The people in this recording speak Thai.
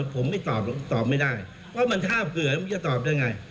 ผมตอบไม่ได้ว่ามันถ้าเผื่อมันจะตอบได้ไง